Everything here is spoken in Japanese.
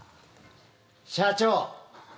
社長！